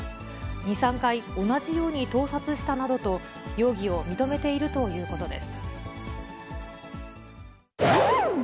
２、３回同じように盗撮したなどと、容疑を認めているということです。